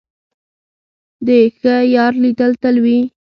د ښه یار لیدل تل وي.